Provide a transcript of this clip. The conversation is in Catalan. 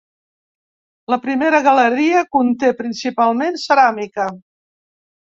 La primera galeria conté principalment ceràmica.